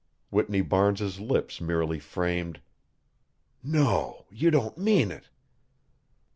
Whitney Barnes's lips merely framed: "No! You don't mean it!"